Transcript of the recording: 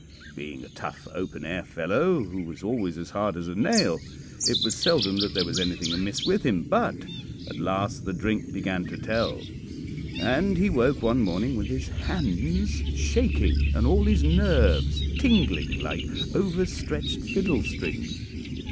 Being a tough, open air fellow, who was always as hard as a nail, it was seldom that there was anything amiss with him; but at last the drink began to tell, and he woke one morning with his hands shaking and all his nerves tingling like over stretched fiddle strings.